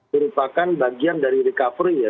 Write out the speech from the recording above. merupakan bagian dari recovery ya